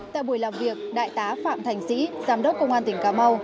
tại buổi làm việc đại tá phạm thành sĩ giám đốc công an tỉnh cà mau